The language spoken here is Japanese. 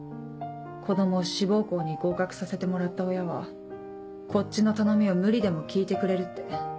子供を志望校に合格させてもらった親はこっちの頼みを無理でも聞いてくれるって。